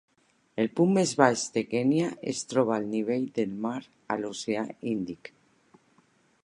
El punt més baix de Kènia es troba al nivell del mar a l'oceà Índic.